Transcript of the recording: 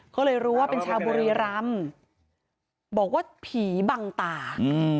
ก็เลยรู้ว่าเป็นชาวบุรีรำบอกว่าผีบังตา